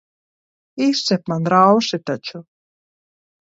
Izcep man rausi taču.